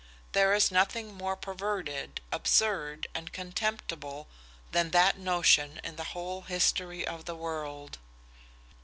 There is nothing more perverted, absurd, and contemptible than that notion in the whole history of the world."